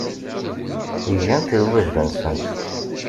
Gant lwajeb-nsent.